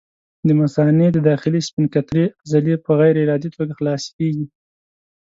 د مثانې د داخلي سفنکترې عضلې په غیر ارادي توګه خلاصه کېږي.